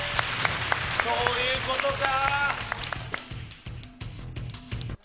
そういうことか。